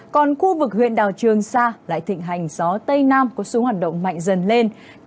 còn khu vực huyện đảo trường sa lại thịnh hành gió tây nam có xu hướng hoạt động mạnh dần lên